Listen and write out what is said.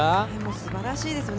すばらしいですよね。